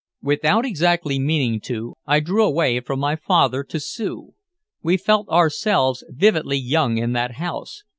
Without exactly meaning to, I drew away from my father to Sue. We felt ourselves vividly young in that house.